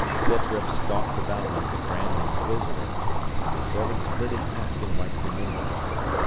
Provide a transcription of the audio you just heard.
Scythrop stalked about like the grand inquisitor, and the servants flitted past him like familiars.